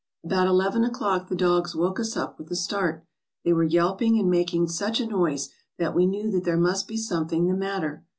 "About eleven o'clock the dogs woke us up with a start; they were yelping and making such a noise, that we knew that there must be something the matter.